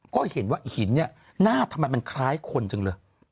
ก็เห็นว่าหินเนี่ยหน้าทำไมมันคล้ายคนจังเลย